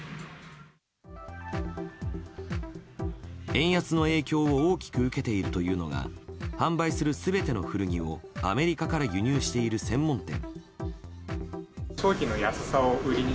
円安の影響を大きく受けているというのが販売する全ての古着をアメリカから輸入している専門店。